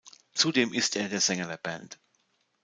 Zudem ist er der Sänger der Band.